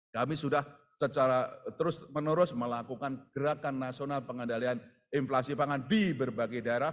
kami sudah secara terus menerus melakukan gerakan nasional pengendalian inflasi pangan di berbagai daerah